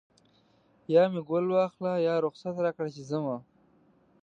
یا مې ګل واخله یا رخصت راکړه چې ځمه